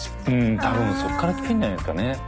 うん多分そっからきてんじゃないですかね。